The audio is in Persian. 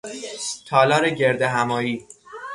تالار گردهمایی